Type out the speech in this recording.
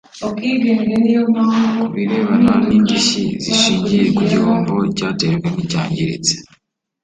Ku birebana n’indishyi zishingiye ku gihombo cyatejwe n’icyangiritse